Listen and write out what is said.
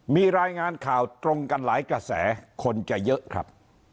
มีรายงานข่าวตรงกันหลายกระแสคนจะเยอะครับ